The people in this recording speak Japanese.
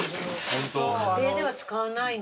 家庭では使わないね。